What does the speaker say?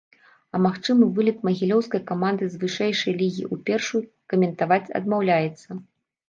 А магчымы вылет магілёўскай каманды з вышэйшай лігі ў першую, каментаваць адмаўляецца.